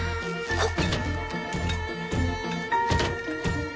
あっ。